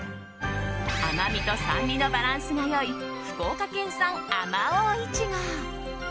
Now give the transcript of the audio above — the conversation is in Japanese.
甘みと酸味のバランスが良い福岡県産あまおうイチゴ。